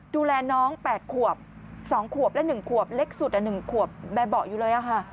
ดูแลน้อง๘ขวบ๒ขวบและ๑ขวบเล็กสุด๑ขวบแบบเบาะอยู่เลย